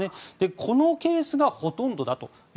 このケースがほとんどだと。